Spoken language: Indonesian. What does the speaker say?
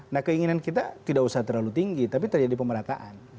nah keinginan kita tidak usah terlalu tinggi tapi terjadi pemerataan